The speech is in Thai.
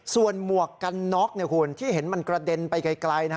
ส่วนหมวกกันน็อกเนี่ยคุณที่เห็นมันกระเด็นไปไกลนะครับ